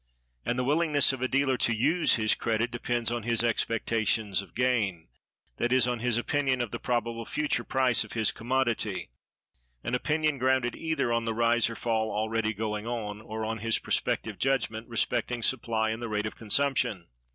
And the willingness of a dealer to use his credit depends on his expectations of gain, that is, on his opinion of the probable future price of his commodity; an opinion grounded either on the rise or fall already going on, or on his prospective judgment respecting the supply and the rate of consumption.